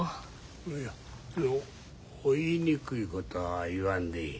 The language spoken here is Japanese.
いや言いにくいことは言わんでいい。